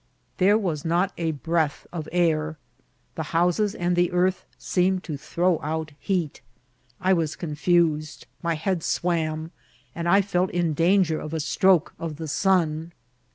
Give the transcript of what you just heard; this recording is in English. There was not a breath of air ; the houses and the earth seemed to throw out heat. I was confused, my head swam, and I felt in danger of a stroke of the sun.